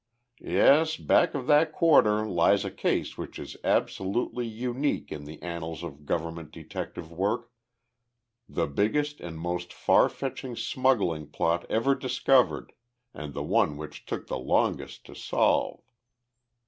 "Yes, back of that quarter lies a case which is absolutely unique in the annals of governmental detective work the biggest and most far reaching smuggling plot ever discovered and the one which took the longest time to solve.